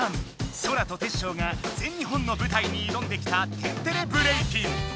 ソラとテッショウが全日本の舞台にいどんできた「天てれブレイキン」。